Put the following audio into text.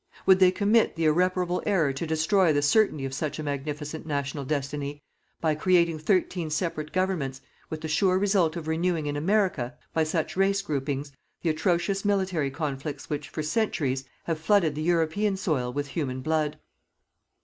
Would they commit the irreparable error to destroy the certainty of such a magnificent National Destiny, by creating thirteen separate governments, with the sure result of renewing in America, by such race groupings, the atrocious military conflicts which, for centuries, have flooded the European soil with human blood.